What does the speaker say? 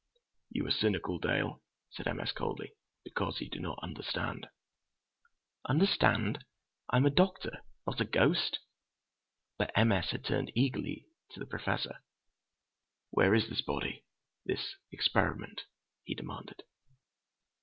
"You are cynical, Dale," said M. S. coldly, "because you do not understand!" "Understand? I am a doctor—not a ghost!" But M. S. had turned eagerly to the Professor. "Where is this body—this experiment?" he demanded.